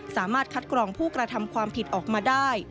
สามารถคัดกรองผู้กระทำความผิดออกมาได้